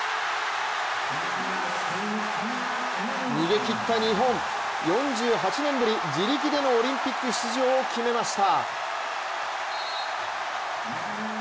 逃げ切った日本、４８年ぶり自力でのオリンピック出場を決めました。